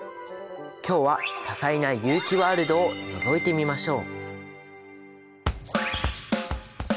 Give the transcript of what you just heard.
今日は多彩な有機ワールドをのぞいてみましょう。